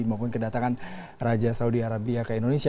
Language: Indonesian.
maupun kedatangan raja saudi arabia ke indonesia